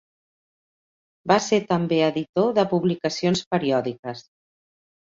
Va ser també editor de publicacions periòdiques.